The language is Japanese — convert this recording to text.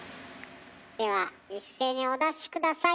では一斉にお出し下さい。